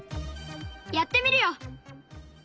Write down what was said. やってみるよ！